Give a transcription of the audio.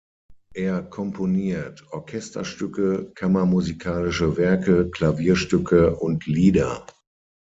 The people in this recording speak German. Er komponiert Orchesterstücke, kammermusikalische Werke, Klavierstücke und Lieder.